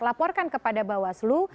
laporkan kepada bawaslu